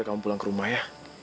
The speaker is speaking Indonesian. kamu pulang ke rumah ya